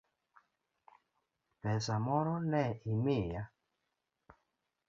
Pesa moro ne imiya?